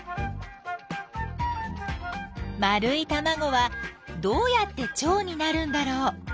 丸いたまごはどうやってチョウになるんだろう？